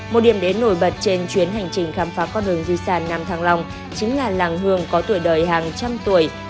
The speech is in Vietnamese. một điểm đến nổi bật trên chuyến hành trình khám phá con đường di sản nam thăng long chính là làng hương có tuổi đời hàng trăm tuổi